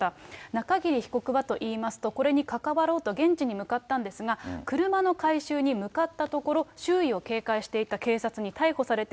中桐被告はといいますと、これに関わろうと現地に向かったんですが、車の回収に向かったところ、周囲を警戒していた警察に逮捕されて、